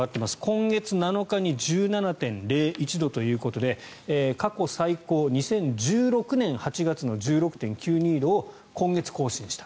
今月７日に１７．０１度ということで過去最高２０１６年８月の１６．９２度を今月更新した。